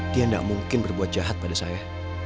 dia tidak mungkin berbuat jahat pada saya